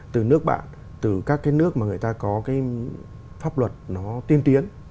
từ nước bạn từ các cái nước mà người ta có cái pháp luật nó tiên tiến